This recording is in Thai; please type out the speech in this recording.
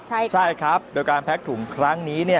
ใช่ครับโดยการแพ็คถุงครั้งนี้